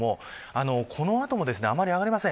この後もあんまり上がりません。